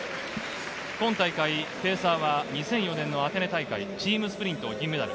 今大会ペーサーは２００４年のアテネ大会チームスプリント銀メダル。